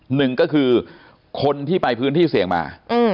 หนึ่งก็คือคนที่ไปพื้นที่เสี่ยงมา